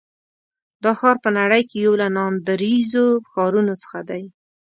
دا ښار په نړۍ کې یو له ناندرییزو ښارونو څخه دی.